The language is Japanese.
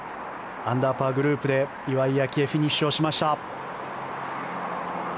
アンダーパーグループで岩井明愛フィニッシュしました。